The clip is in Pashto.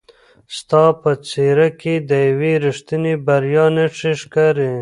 ستا په څېره کې د یوې رښتینې بریا نښې ښکاري.